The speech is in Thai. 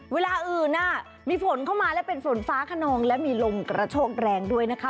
เวลาอื่นมีฝนเข้ามาและเป็นฝนฟ้าขนองและมีลมกระโชกแรงด้วยนะคะ